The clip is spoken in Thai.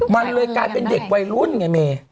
มันเลยกลายเป็นเด็กวัยรุ่นไงเม